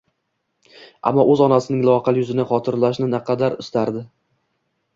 ammo o'z onasining loaqal yuzini xotirlashni naqadar istardi.